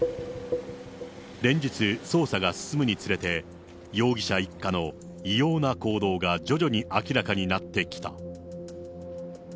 連日、捜査が進むにつれて、容疑者一家の異様な行動が徐々に明らかになってきた。